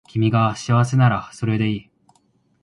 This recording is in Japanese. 君が幸せならそれでいい